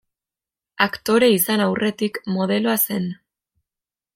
Aktore izan aurretik modeloa zen.